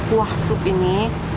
kuah sup ini